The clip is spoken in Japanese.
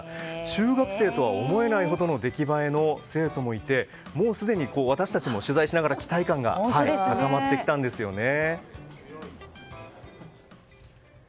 中学生とは思えないほどの出来栄えの生徒もいてもうすでに私たちも取材しながら期待感が高まってきたんですよね。